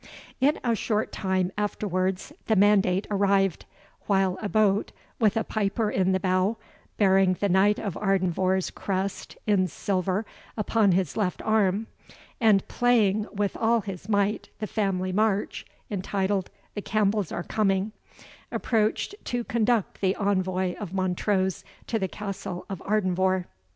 In a short time afterwards the mandate arrived, while a boat, with a piper in the bow, bearing the Knight of Ardenvohr's crest in silver upon his left arm, and playing with all his might the family march, entitled "The Campbells are coming," approached to conduct the envoy of Montrose to the castle of Ardenvohr.